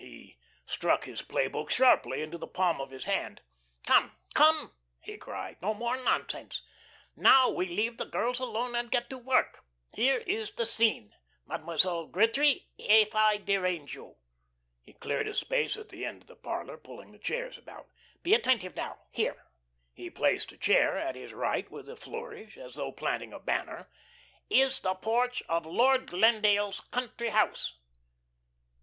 He struck his play book sharply into the palm of his hand. "Come, come!" he cried. "No more nonsense. Now we leave the girls alone and get to work. Here is the scene. Mademoiselle Gretry, if I derange you!" He cleared a space at the end of the parlor, pulling the chairs about. "Be attentive now. Here" he placed a chair at his right with a flourish, as though planting a banner "is the porch of Lord Glendale's country house."